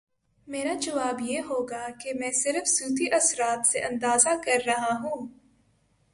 میرا جواب یہ ہو گا کہ میں صرف صوتی اثرات سے اندازہ کر رہا ہوں۔